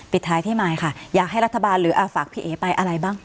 ท้ายพี่มายค่ะอยากให้รัฐบาลหรือฝากพี่เอ๋ไปอะไรบ้าง